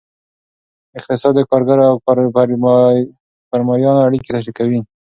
اقتصاد د کارګرو او کارفرمایانو اړیکې تشریح کوي.